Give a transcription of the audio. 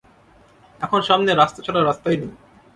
এখন সামনে রাস্তা ছাড়া রাস্তাই নেই।